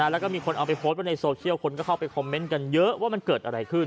แล้วก็มีคนเอาไปโพสต์ไว้ในโซเชียลคนก็เข้าไปคอมเมนต์กันเยอะว่ามันเกิดอะไรขึ้น